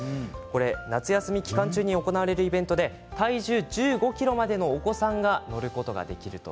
夏休み期間中に行われるイベントで体重１５ｋｇまでのお子さんが乗ることができます。